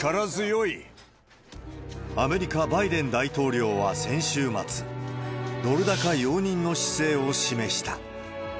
アメリカ、バイデン大統領は先週末、ドル高容認の姿勢を示した。